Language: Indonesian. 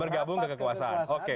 bergabung ke kekuasaan oke